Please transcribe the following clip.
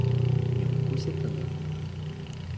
Не укусит она?